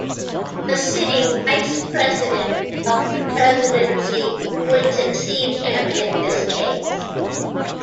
The sitting Vice President of the Presidency would succeed him in this case.